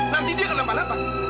nanti dia kenapa napa